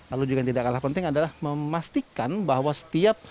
lalu juga yang tidak kalah penting adalah memastikan bahwa setiap